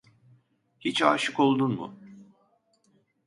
Hiç aşık oldun mu?